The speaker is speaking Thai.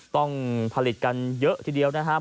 ต้องผลิตกันเยอะทีเดียวนะครับ